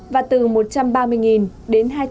và từ một trăm ba mươi đồng đến